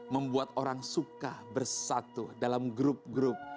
membuat orang suka bersatu dalam grup grup